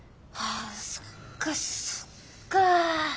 あそっかそっか。